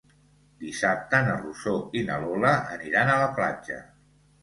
Dissabte na Rosó i na Lola aniran a la platja.